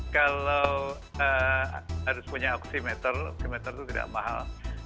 kalau harus punya oksimeter oksimeter itu tidak mahal